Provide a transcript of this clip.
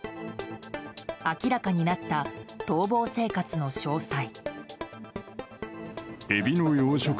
明らかになった逃亡生活の詳細。